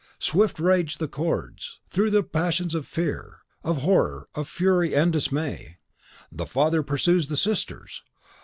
Swift rage the chords, through the passions of fear, of horror, of fury, and dismay. The father pursues the sisters.